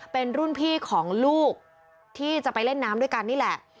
เป็นรุ่นพี่ของลูกที่จะไปเล่นน้ำด้วยกันนี่แหละ